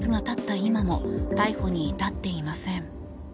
今も逮捕に至っていません。